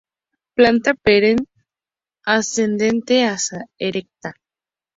Planta perenne, ascendente hasta erecta.